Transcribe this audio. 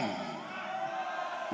yang tidak mau angkat tangan